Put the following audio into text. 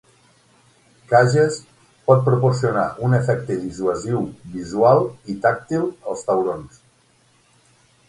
Cages pot proporcionar un efecte dissuasiu visual i tàctil als taurons.